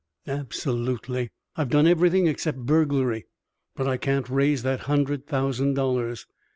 "Absolutely. I've done everything except burglary, but I can't raise that hundred thousand dollars.